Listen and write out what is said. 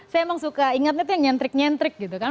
saya emang suka ingatnya itu yang nyentrik nyentrik gitu kan